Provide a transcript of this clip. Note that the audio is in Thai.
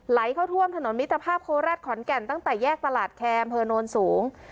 ไหลเข้าท่วมถนนมิตรภาพโคราชขอนแก่นตั้งแต่แยกตลาดแคมอำเภอโนนสูง